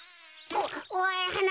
おいはな